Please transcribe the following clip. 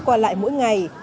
qua lại mỗi ngày